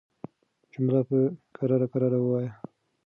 جمله په کراره کراره وايه